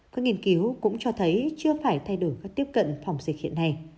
các nghiên cứu cũng cho thấy chưa phải thay đổi cách tiếp cận phòng dịch hiện nay